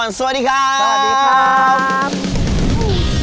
สวัสดีครับสวัสดีครับสวัสดีครับสวัสดีครับ